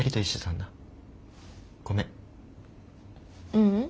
ううん。